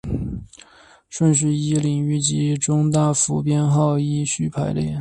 顺序依领域及中大服编号依序排列。